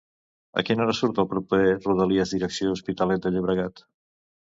A quina hora surt el proper Rodalies direcció Hospitalet de Llobregat?